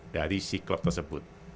dari si klub tersebut